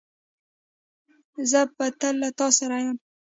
زه به تل له تاسره یم